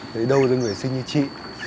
lấy đâu ra người sinh như chị